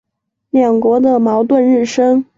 两国的矛盾日深。